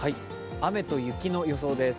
雨と雪の予想です。